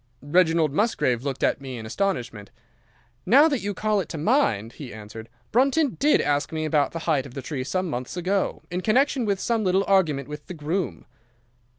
"Reginald Musgrave looked at me in astonishment. 'Now that you call it to my mind,' he answered, 'Brunton did ask me about the height of the tree some months ago, in connection with some little argument with the groom.